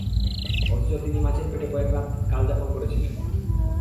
অথচ তিনি মাছের পেটে কয়েক রাত কাল যাপন করেছিলেন।